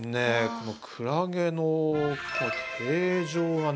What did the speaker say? このクラゲの形状がね